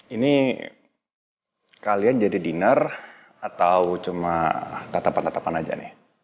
ini kalian jadi dinner atau cuma tatapan tatapan aja nih